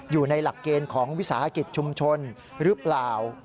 อยู่ในหลักเกณฑ์ของวิสาหกิจชุมชนหรือเปล่า